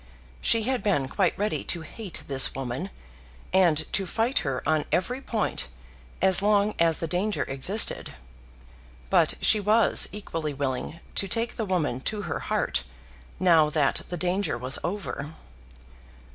She had been quite ready to hate this woman, and to fight her on every point as long as the danger existed; but she was equally willing to take the woman to her heart now that the danger was over.